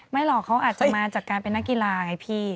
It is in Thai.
หรอกเขาอาจจะมาจากการเป็นนักกีฬาไงพี่